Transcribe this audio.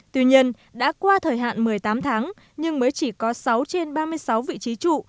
tuy nhiên đã qua thời hạn một mươi tám tháng nhưng mới chỉ có sáu trên ba mươi sáu vị trí trụ